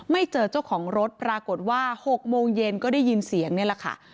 ไม่เจอเจ้าของรถปรากฏว่า๖โมงเย็นก็ได้ยินเสียงนี่แหละค่ะ